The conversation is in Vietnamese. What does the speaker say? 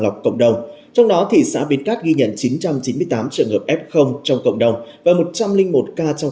lọc cộng đồng trong đó thị xã biên cát ghi nhận chín trăm chín mươi tám trường hợp f trong cộng đồng và một trăm linh một ca trong